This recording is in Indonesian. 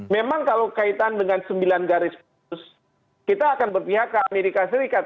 memang kalau kaitan dengan sembilan garis putus kita akan berpihak ke amerika serikat